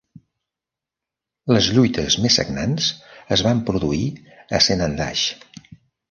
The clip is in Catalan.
Les lluites més sagnants es van produir a Sanandaj.